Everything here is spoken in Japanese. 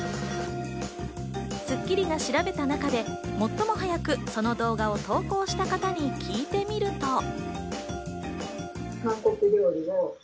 『スッキリ』が調べた中で最も早くその動画を投稿した方に聞いてみると。